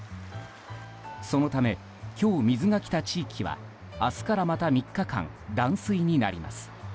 そのため今日、水が来た地域は明日からまた３日間断水になります。